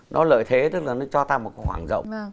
nó lợi thế tức là nó cho ta một khoảng rộng